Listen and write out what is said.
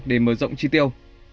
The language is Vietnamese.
để mở rộng chi tiêu